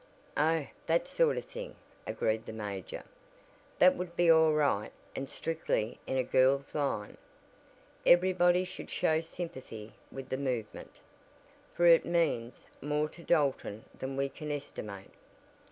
"Oh, that sort of thing," agreed the major, "that would be all right and strictly in a girl's line. Everybody should show sympathy with the movement, for it means more to Dalton than we can estimate.